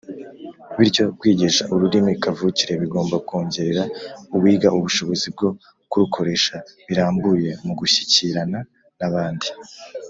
Bityo kwigisha ururimi kavukire bigomba kongerera uwiga ubushobozi bwo kurukoresha birambuye mu gushyikirana n’abandi.